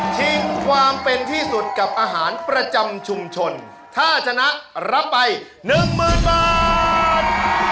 ชิงความเป็นที่สุดกับอาหารประจำชุมชนถ้าชนะรับไปหนึ่งหมื่นบาท